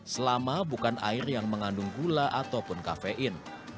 selama bukan air yang mengandung gula ataupun kafein